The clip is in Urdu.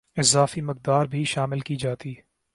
اضافی مقدار بھی شامل کی جاتی